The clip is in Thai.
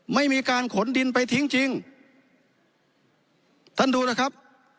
ไม่มีการขนดินไปทิ้งจริงท่านดูนะครับ